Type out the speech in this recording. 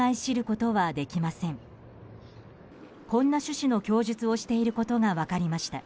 こんな趣旨の供述をしていることが分かりました。